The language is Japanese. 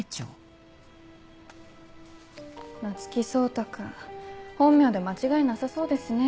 夏木蒼汰君本名で間違いなさそうですね。